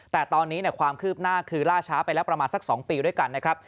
แต่ตอนนี้ความคืบหน้าคือล่าช้าไปแล้วประมาณสัก๒ปีด้วยกันนะครับ